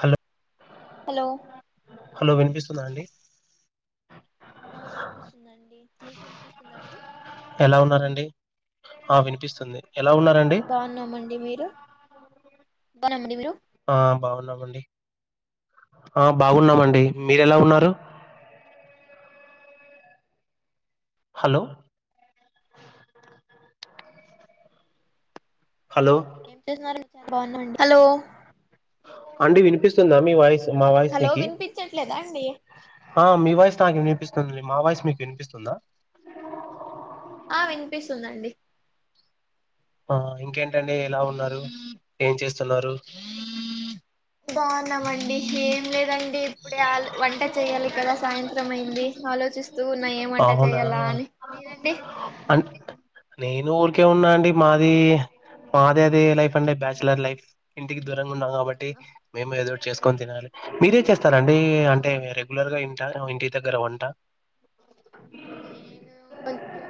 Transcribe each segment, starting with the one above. Hello hello hello వినిపిస్తుంద అండి ఆ వినిపిస్తుందండి మీకు వినిపిస్తుందండి ఎలా ఉన్నారండి ఆ వినిపిస్తుంది ఎలా ఉన్నారండి బాగున్నామండి మీరు బాగున్నామండి మీరు ఆ బాగున్నామండి ఆ బాగున్నామండి మీరెలా ఉన్నారు హలో హలో ఏం చేసన్నారు మీకు చాలా బాగున్నాండి హలో అండి వినిపిస్తుందా మీ వాయిస్ మా వాయిస్ హలో నీకి వినిపించట్లేదా అండి ఆ మీ వయిస్ నాకు వస్తు మా వయసు మీకు వినిపిస్తుందా ప్పేస్తు ఉందండి ఆ ఇంకేంటండి ఎలా ఉన్నారు ఏం చేస్తున్నారు బాగున్నామండి ఏం లేదండి ఇప్పుడే వంట చేయాలి కదా సాయంత్రం అయింది ఆలో లోచిస్తూ ఉన్నా ఏం వంట అవునా చెయాలా అని మెరండి అ నేను ఎన్న ఊరికే ఉన్నా అండి మాది మాది అది లైఫ్ అంటే బ్యాచలర్ లైఫ్ ఇంటికి దూర గున్నాం కాబట్టి మేము ఏదో చేసుకొని తినాలి మీరే చేస్తారండి అంటే అవును రెగ్యులర్ గా గ ఇంటి దగ్గర వంట నేను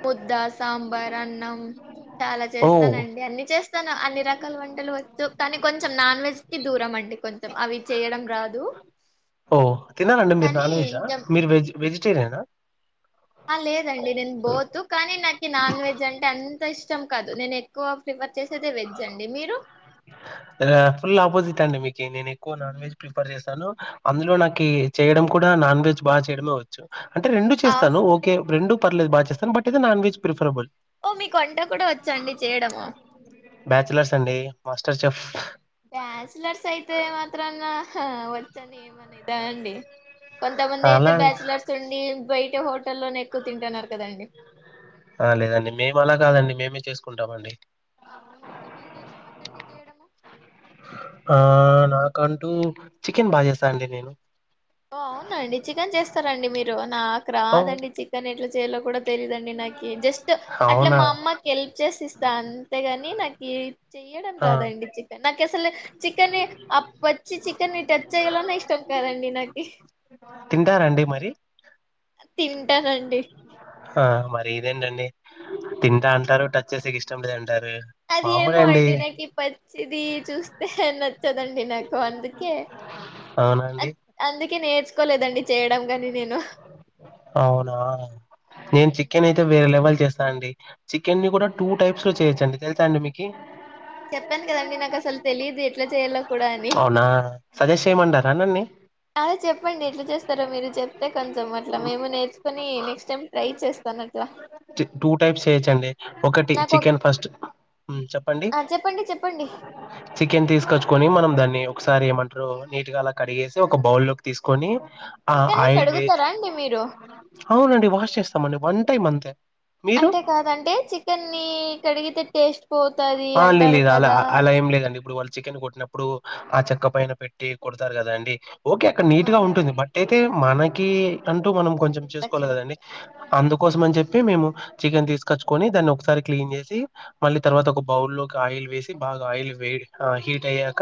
ముద్ద సాంబార్ అన్నం చా అలా ఓ చేస్తానండి అన్ని చేస్తాను అన్ని రకాల వంటలు వచ్చ కానీ కొంచెం నాన్ వెజ్ కి దూరం అండి కొంచెం అవి చేయడం రాదు ఓ తినారాండి మీరు కానీ నాన్ వెజా ఇంకా మీరు వెజ్ వెజిటేరియనా ఆ లేదండి నేను బాత్ కానీ నాకు నాన్ వెజ్ అంటే అంత ఇష్ట ష్టం కాదు నేను ఎక్కువ ప్రిఫర్ చేసేది వెజ్ అండి మీరు ఫుల్ ఆపోజిట్ అండి మీ నేను ఎక్కువ నాన్ వెజ్ ప్రిఫర్ చేశాను అందులో నాకు చేయడం కూడా నాన్ వెజ్ బాగా చేయడమేవచ్చు అంటే రెండు ఆ చేస్తాను ఓకే రెండుర్లేదు బాగా చేస్తా బట్ ఇది నాన్ వెజ్ ప్రిఫరబుల్ ఓ మీ కొ వంట కూడా వచ్చాండి చేయడము స చె బ్యాచలర్స్ అయితే మాత్రంగా వచ్చాను ఏమనేదా అండి కొంతమంది అయితే అలా బ్యాచలర్స్ ఉండి బయట హోటల్లోనే ఎక్కువ తింటున్నారు కదండి ఆ లేదండి మేము అలా కాదండి మేమే చేసుకుంటామండి అవునండి మీకేమి ఇమచ్చండి చేయడము కంటూ చికెన్ బాజస్తా అండడి నేను ఓ అవునండి చికెన్ చేస్తారంండి మీరు నాకు ఓహ్! రాదండి చికెన్ ఎట్లా చేయాలో కూడా తెలీదండి నాకి జస్ట్ అట్లా అవునా మా అమ్మకి హెల్ప్ చేసి ఇస్తా అంతేగాని నాకు చెయ్యడం ఆ రాదండి చికెన్ నాకు అసలు చికెన్ని వచ్చి చికెన్ని టచ్ చేయాలనే ఇష్టం కదండి నాకు తింటారంండి మరి తింటానండి ఆ మరి ఇదేంటండి తింటా అంటారు టచ్ చేసే ఇష్టం లేద అంటారు మామూలే అండి కి పచ్చిది చూస్తే నచ్చదండి నాకు అందుకే అవునండి అందుక నేర్ తీసుకోలేదండి చేయడం కాని నేను అవునా నేను చికెన్ అయితే వేరే లెవల్ చేస్తా అండి చికె ని కూడా టూ టైప్స్ లో చేయొచ్చండి తెలుసా అండి మీకు చెప్పాను కదండి నాకు అసలు తెలియదు ఎట్లా చేయాలో కూడా అని అవునా సదాష్ మంటారానీ అదే చెప్పండి ఎట్లా చేస్తారో మీరు చెప్తే కొంచెం అట్లా మేము నేర్చుకుొని నెక్స్ట్ టైం ట్రై చేస్తాను అట్లా టూ టైప్స్ చేయొచ్చండి ఒకటి నాకు ఒక్ చికెన్ ఫస్ట్ చెప్పండి ఆ చెప్పండి చెప్పండి చికెన్ తీసుకొచ్చుకొని మనం దాన్ని ఒకసారి ఏమంటారు నీట్గా అలా కడిగేసి ఒక బౌల్ లోకి తీసుకొని ఆ చికెన్ని ఆయుర్వేద్ కడుగుతారా అండి మీరు అవునండి వాష్ చేస్తామండి వన్ టైమ్ అంతే మీరు అంటేకాదంటే చికెన్ని ని కడిగితే టేస్ట్ పోతది అ లే అంటారు లేదు అలా కదా అలా ఏం లేదండి ఇప్పుడు చికెన్ కొట్టినప్పుడు ఆ చెక్క పైన పెట్టి కొడతారు కదా అండి ఓకే అక్కడ నీట్ గా అవునవును ఉంటుంది బట్యితే అయితే మనకి అంటూ మనం కొంచెం చేసుకోవాలి సాటిస్ఫాక్షన్ కదండి అంటే అవునులేండి అందుకోసమని చెప్పి మేము చికెన్ తీసుకొచ్చుకొని దాన్ని ఒకసారి క్లీన్ చేసి మళ్ళీ తర్వాత ఒక బౌల్ లోకి ఆయిల్ వేసి బాగా ఆయిల్ వే హీట్ అయ్యాక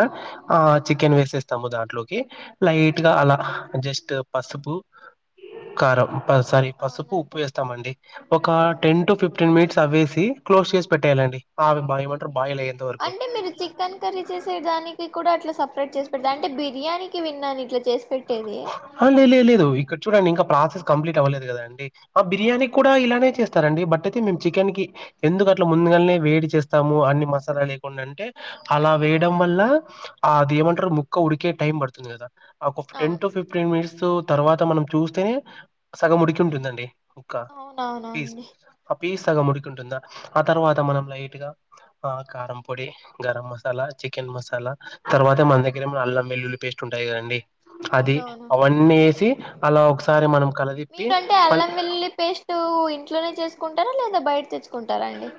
ఆ చికెన్ వేసేస్తాము దాంట్లో ఓే లైట్ గా అలా జస్ట్ పసుపు కారం సారీ పసుపు ఉప్పు అవునండి వేస్తామండి ఒక ఆ టెన్ టు ఫిఫ్టీన్ మినిట్స్ తవ్వేసి క్లోజ్ చేసి పెట్టేయాలండి బావి బా ఏమంట్రు అంటే మీరు చికెన్ కర్రీ చేసే దానికి కూడా అట్లా సపరేట్ చేసి పెడ అంటే బిర్యానీ విన్నా ఇట్లా చేసి పెట్టేది లే లే లేదు ఇక్కడ చూడండి ఇంకా ప్రాసెస్ కంప్లీట్ అవ్వలేదు కదా అండి ఆ బిర్యానీ అవును కూడా ఇలానే చేస్తా స్తారండి బట్ అయితే మేము చికెన్ కి ఎందుకు అట్లా ముందుగానే వేడి చేస్తాము అన్ని మసాలా లేకుండా అంటే అలా వేయడం వల్ల ఆ అది ఏమంటారు ముక్క ఉడికే టైం పడుతుంది కదా ఆ ఒక టెన్ అవును టు ఫిఫ్టీన్ మినిట్స్ తర్వాత మనం చూస్తేనే సగం ఉడికి ఉంటుందండి క్క పజ అవునవునండి పీసగా ముడికి ఉంటుందా ఆ తర్వాత మనం లైట్ గా ఆ కారం పొడి గరం మసాలా చికెన్ మసాలా తర్వాత మనగ్గర ఏ అల్లం వెల్లుల్లి పేస్ట్ ఉంటాయి కదండి అది అవునవును అవన్నీ వేసి అలా ఒకసారి మనం కలదిప్పి మీరుంటే మళ్ ఎల్లం వెల్లి పేస్టు ట్లోనే చేసుకుంటారా లేదా బయట తెచ్చుకుంటారా అండి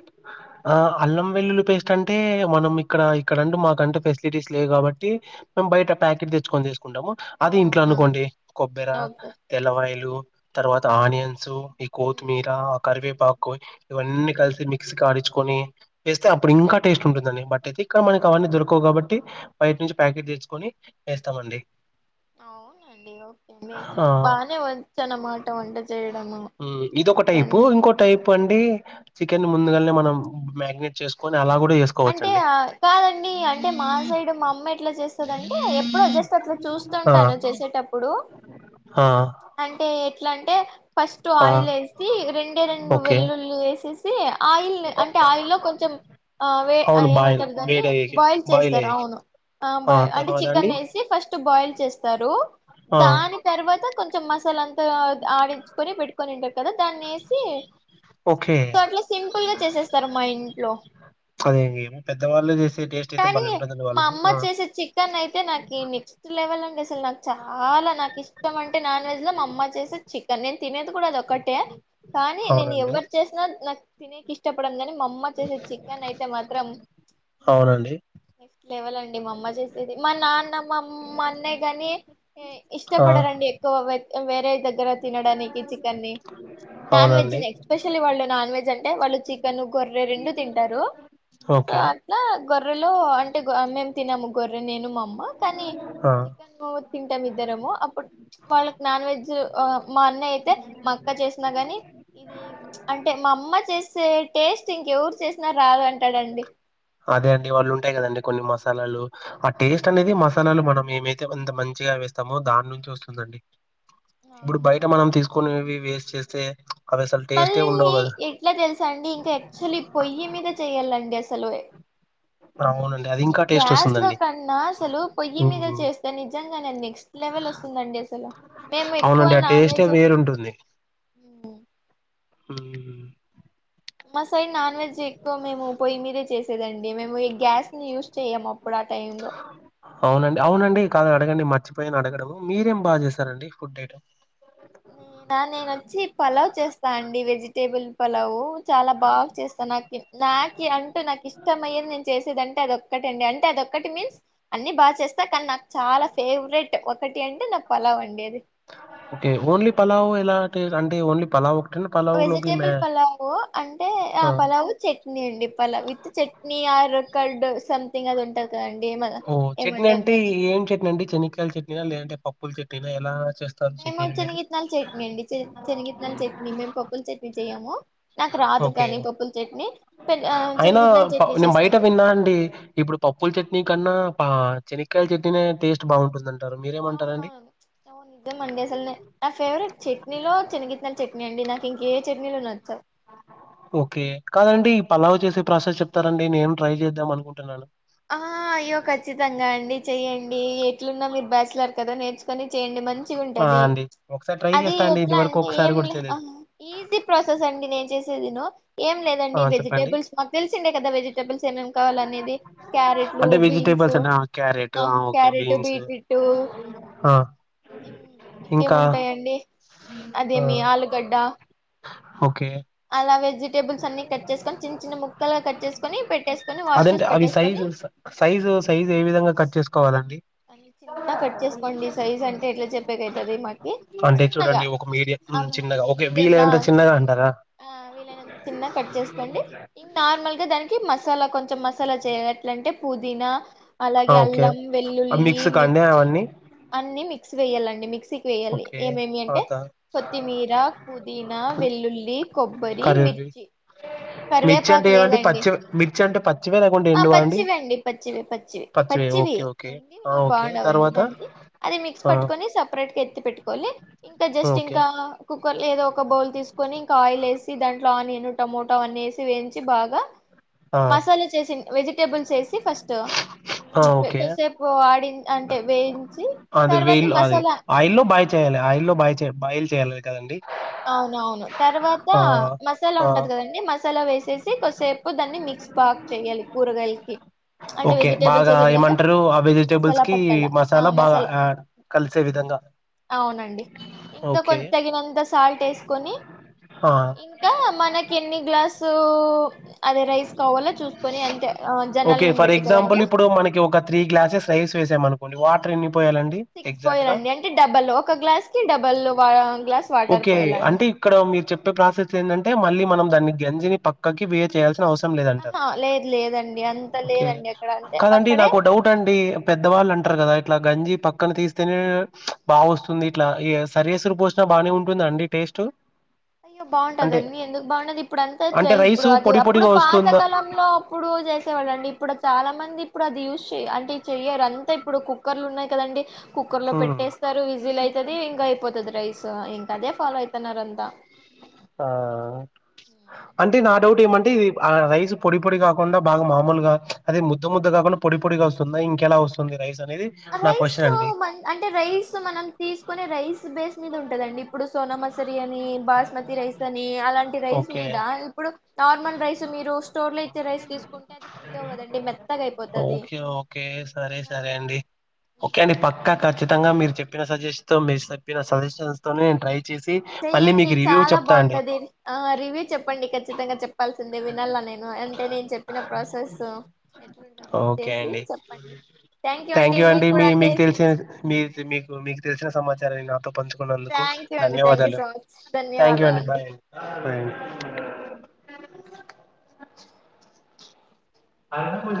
ఆ అల్లం వెల్లులి పేస్ట్ అంటే మనం ఇక్కడ ఇక్కడండు మాకంటు ఫెసిలిటీస్ లేవు కాబట్టి బయట ప్యాకిటా దెచ్చుకొని జేస్ కుంటము ఓ అది ఇంట్లో అవునా అనుకోండి కొబ్బరి ఓకే తెల్లవాయలు తర్వాత ఆనియన్స్ ఈ కోత్తిమీర ఆ కరివేపాకు ఇవన్ని కలిసి మిక్స్కి ఆడిచ్చుకొని ఏస్తే అప్పుడింకా టేస్ట్ ఉంటుందని బట్ అయితే ఇక్కడ మనకి అవన్నీ దొరకవు కాబట్టి బయట్ నుంచి ప్యాకెట్ దెచ్చుకొని ఏస్తామండి అవునండి ఓకే అండి అయితే బానే ఓచ్చ్ అనమాట వంట చేయడము హ్మ్. ఇదొక అయితే టైపు అన్ని ఇంకో టైప్ అండి చికెన్ ముందుగానే మనం మ్యారినేట్ చేసుకొని అలాగ అంటే అ కాదండి అంటే మా సైడు మా అమ్మ ఎట్ల చేస్తుందంటే ఎప్పుడో జస్ట్ అట్లా చూ ఆ! స్తుంటాను చేసేటప్పుడు ఆ అంటే ఎట్లన్ ఫస్ట్ ఆ ఆయిల్ ఏసి రెండే రెండు ఓకే వెల్లుళ్లి ఏసేసి ఆయిల్ న్ అంటే ఆయిల్లో కొంచెం అవే అవును అయి బాయిల్ ఏమంటారు దాన్ని వేడయ్యాక బాయిల్ చేస్తారు అయ్యాక అవును ఆ బా అంటే తర్వాత చికెన్ అండి ఏసి ఫస్ట్ బాయిల్ చేస్తారు ఆ దాని తర్వా త కొంచెం మసాలా అంతా ఆడించుకొని పెట్టుకొనింటారు కదా దాన్నేసి ఓకే సో అట్లా సింపుల్ గా చేసేస్తారు మా ఇంట్లో అదే పెద్దవాళ్ళు చేసే టేస్ట్ అయితే కానీ బల్ ఉంటుందండి మా వాళ్ళు అమ్మ లేవలండి అసల్ నాకు చాలా నాకు ఇష్టం అంటే నాన్ వెజ్ లో మా అమ్మ చేసే చికెన్ నేను తినేది కూడా అది ఒక్కటే కానీ నేను అవునండి ఎవరు చేసినా నాకు తినేకి ఇష్టపడను గని మా అమ్మ చేసే చికెన్ అయితే మాత్రం అవునాండి నెక్స్ట్ లెవల్ అండి మా అమ్మ చేసేది మా నాన్న మామ్ మా అన్నయ గని ఆ ఇష్టపడరు అండి ఎక్కువ వేరే దగ్గర తినడానికి చికెన్ని నాన్ వెెజ్ అవునండి ని ఎస్పెషల్లీ వాళ్ళు నాన్ వెజ్ అన్ అంటే వాళ్ళు చికెన్ గొర్రె రెండు తింటారు సో ఓకే అట్లా గొర్రెలో అంటే మేమ్ తినము గొర్రె నేను మా అమ్మ కానీ ఆ చికెన్ తింటం ఇద్దరము అప్పుడు వాళ్ళకి నాన్ వెజ్ మా అన్నయ్య అయితే మా అక్క చేసిన గని ఇ అంటే మా అమ్మ చేసే టేస్ట్ ఇంకెవరు చేసినా రాదు అంటాడండి అదే అండి వాళ్ళు ఉంటాయి కదండి కొన్ని మసాలాలు ఆ టేస్ట్ అనేది మసాలాలు మనం ఏమైతేంత మంచిగా వేస్తామో దాని నుంచి వస్తుందండి ఇప్పుడు బయట మనం అవునవునండి తీసుకొనేవి వేస్ట్ చేస్తే అవి అసలు టేస్టే మళ్ళళ్ళీ ఉండవు కదా ఎట్లా తెలుసా అండి ఇంకా యాక్చుల్లీ పొయ్యి మీద చెయాలండి అసలు ఆవునండి గ్యాస్ లో కన్నా అసలు పొయ్యి మీద హ్మ్. చేస్తే నిజంగనే నెక్స్ట్ లెవెల్ ఒస్తుందండి అస మేము ఎక్కువ అవునండి ఆ నాన్ టేస్టే వెజ్ హ్మ్ మా సైరి నాన్ వెజ్ ఎక్కువ మేము పొయ్యి మీదే చేసేదండి మేము గ్యాస్ని యూస్ చేయము అవునండి అవునండి కాద అడగండి మర్చిపోయిని అడగడం మీరేం బా జేసారండి ఫుడ్ ఐటమ్ నా నేనొచ్చి పలావ్ చేస్తా అండి వెజిటేబుల్ పలావు చాలా బాగా్ చేస్తా నాకు నాకి అంటూ నాకు ఇష్టం అయ్యేది నేను చేసేదంటే అదె టి అండి అంటే అదొటి మీన్స్ అన్ని బా చేస్తా కానీ నాకు చాలా ఫేవరెట్ ఒకటి అంటె నా పలావ్ వండేది ఓకే ఓన్లీ పలావ్ ఎలా అంటే ఓన్లీ పలావ్ ఒక వెజిటేబుల్ పలావు అంటే ఆ పలావు చట్నీ అండి pulao with chutney or curd something అది ఉంటది కదండి ఏమ ఓ చట్నీ ఏమంటారు అంటే దాన్ని ఏం చట్నీ అండి చెనకాయల చట్నా లేదంటే పప్పుల చట్నీనా ఎలా చేస్తాను చె మేము నేను మీరు శనగిత్తనాల చట్నీ అండి శనగిత్తనాల చట్నీ మేము పప్పుల చట్నీ చెయ్యము నాకు రాదు ఓకే కానీ పప్పుల చట్నీ అయినా శనగిత్తనాల చట్నీ నేను బయట చేస్తాము విన్నా అండి ఇప్పుడు పప్పుూల చట్నీ క శనకాయల చెట్టినే టేస్ట్ బాగుంటుందంటారు మీరేమంటారడి వువును నిజం అండి అసలు నా ఫేవరెట్ చట్నీలో చిన్నగిత్తన చట్నీ అండి నాకు ఇంకే చట్నీ ళ నచ్చ ఓకే కాదండి ఈ పలావ చేసే ప్రాసెస్ చెప్తారంండి నేం ట్రై చేద్దాం అనుకుంటున్నాను ఆ అయ్యో ఖచ్చితంగా అండి చెయ్యడి ఎట్లున్నా మీరు బ్యాచలర్ కదా నేను కాని చేయండి మంచి ఆ ఉంటది అండి ఒకసారి ట్రై అది చేస్తా అండి ఇది ఎట్లా వరకు అంటే ఒకసారి ఏం కూడా లే చేయలేదు ఈజీ ప్రాసెస్ అండి నేను చేసేదిను ఏం ఆ లేదండి చెప్పండి వెజిటేబుల్స్ మాకు తెలిసిండే కదా వెజిటేబుల్స్ ఏమేమి కావాలి అనేది క్యారెట్లు అంటే వెజిటేబుల్స్ బీన్సు అంటే ఆ! క్యారెట్ ఆ ఓకే క్యారెట్ బీన్స్ బీట్బట్టు ఆ ఇ ఇంకా ఇంకేముంటాయంండి అదే ఆ మీ ఆలుగడ్డ ఓకే ఇలా వెజిటేబుల్స్ అన్ని కట్ చేసుకని చిన్న ముక్కలు కట్ చేసుకుొని పెట్టేసుకుని అదంటే వాషటర్స్ అవి పెట్టేని సైజు సైజు సైజు ఏ విధంగా కట్ చేసుకోవాలండి అన్ని చిన్న కట్ చేసుకోండి సైజ్ అంటే ఎట్లా చెప్పేకైతది మాకి అంటే చిన్నగా చూడండి ఒక మీడియం చిన్నగా ఓకే వీళ మీడియంలా ఏదంటే చి చిన్నగా అంటారా ఆ కట్ చేసుకోండి ఇం నార్మల్ గా దానికి మసాలా కొంచెం మసాలా చేయ ఎట్లాంటే పుదీనా ఆ అలాగే ఓకే అల్లం వెల్లుల్లి మిక్స్ కాండి మిర్చి అవన్నీ అన్ని మి మిక్సీ వెయాలండి మిక్సీకి వెయ్యాలి ఓకే ఏమేమి అంటే తర్వాత కొత్తిమీర పుదీనా వెల్లుల్లి కొబ్బరి కరివేపి మిర్చి మిర్చి అంటే కరివేపాకు ఏమండి లేదండి పచ్చి మిర్చి అంటే పచ్చివే లేకుంటే ఆ ఎండువా పచ్చివ అండి పచ్చివి పచ్చివి పచ్చివే పచ్చి ఓకే ఓకే ఆ ఓకే బాగుండి తర్వాత దానికి అది మిక్స్ ఆ పట్టుకని సపరేట్ ఎ పెట్టు ఇంట్ ఇం ఓకే లేదో ఒక బౌల్ తీసుకొని ఇంకా ఆయిల్ వేసి దాంట్లో ఆనియన్ టమోటో అన్న వసి వేయించి బాగా ఆ మసాలా చేసి వెజిటేబుల్స్ వేసి ఫస్ట్ ఆ ఓకే కొద్దిసేపు ఆడి అంటే వేయించి అది తర్వాత వేల్ అది మసాలా ఆయిల్లో బాయ్ మసాల చేయాలి ఆయలో బయ బయల్ చేయాలి కదండి అవున అవును తర్వాత ఆ మసాలా ఆ ఉంటది కదంీ మస మసాలా వేసేసి కాసేపు దాన్ని మిక్స్ బాక్ చేయాలి కూరగాయలకి అంటే ఓకే వెజిటేబుల్స్ బాగా వేసిండు కదా ఏమంటారు ఆ వెజిటేబుల్స్ మసాలా కి పట్టాల ఆ మసాలా బాగా కలిసే విధంగా అవునండి ఇంకా ఓకే కొంత తగినంత సాల్ట్ వేసుకొని ఇంకా మనకి ఎన్ని గలాస్ అ చూసుకొని అంటే ఓకే జనాలని ఫర్ బట్టి ఎగ్జాంపుల్ కదండి ఇప్పుడు మనకి ఒక త్రీ గ్లాసెస్ అ వేసామనుకోం వాటర్న్ని సిక్స్ పోయాలండి అంటే డబల్ ఒక గ్లాస్ కి డబల్ గ్లాస్ వాటర్ ఓకే పోయాలండి అంటే ఇక్కడ మీరు చెప్పే ప్రాసెస్ ఏంటంటే మళ్ళీ మనం దాన్ని గంజిని పక్కకి వే చేయాల్సి అవసరం లేదంటారు ఆహా లేదు లేదండి అంత ఓకే లేదండి అక్కడ అంటే కాదండి అక్కడే నాకు డౌట్ అండి పెద్దవాళ అంటారు కదా ఇట్లా గంజీ పక్కన తీస్తేనే బా వస్తుంది ఇట్లా ఈ సరియాసురు పోసిన బాగానే ఉంటుందండి టేస్ట్ అయ్యో బాగుంటంది అంటే అన్నీందుకు బాగుంటది ఇప్పుడు అంతా వచ్చ అంటే ఇప్పుడు రైసు అది పొడి అప్పుడు పొడిగా పాత వస్తుందా కాలంలో అప్పుడు చేసేవాళ్ళండి ఇప్పుడు చాలా మంది ఇప్పుడు అది యూస్్ చెయ అంటే చెయ్యరు అంతా ఇప్పుడు కుక్కర్లు ఉన్నాయి కదండి కుక్కర్ లో హ్మ్ పెట్టేస్తారు విజీలు అవుతుది ఇంకా అయిపోతుంది రైస్ ఇంకా అదే ఫాలో అవుతున్నారు అంతా ఆ అంటే నా డౌట్ ఏమంటే ఇది రైస్ పొడి పొడి కాకుండా బాగా మామూలుగా అదే ముద్ద ముద్ద కాకుండా పొడి పొడిగా వస్తుందియి ఇంకెలా వస్తుంది రైస్ అనేది నా రైస్ క్వశ్చన్ తో అండి మం అంటే రైస్ మనం తీసుకునే రైస్ బేస్ మీద ఉంటదండి ఇప్పుడు సోనమస్ మసరి అని బాస్మతి రైస్ అని అలాంటి రైస్ ఓకే మీద ఇప్పుడు నార్మల్ రైస్ మీరు స్టోర్ లో ఇచ్చే రైస్ తీసుకుంటే అది పుడి అవ్వదండి మెత్తగా అయిపోతది. రైస్ గాని సరే ఆ అండి ఓకే అండి అట్లా పక్కా ఖచ్చితంగా మీరు చెప్పిన సజెషన్ తో మీరు చెప్పిన సజెషన్స్ తో నేను ట్రై చేసి మళ్ళీ చెయ్యన్డి మీకు రివ్యూ చాలా చెప్తా అండి బావుంటది ఆ రివ్యూ చెప్పండి కచ్ చ్చితంగా చెప్పాల్సిందే వినాల నేను అంటే నేను చెప్పిన ప్రాసెస్ ఎట్లుంటుందో ఓకే చేసి అండి చెప్పండి థ్యాంక్ యూ అండి మీ మీకు తెలిసిన మీ మీకు మీకు తెలిసిన సమాచార్ చ్చారండి ఆటోప్ పంచుకున్నందుకు థ్యాంక్ యూ అండి థ్యాంక్ యూ ధన్యవాదాలు, సో మచ్ థ్యాంక్ యూ అండి ధన్యవాదాలండి బాయ్ ఆ. అండి అ [unintelligible]